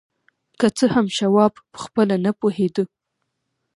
که څه هم شواب پخپله نه پوهېده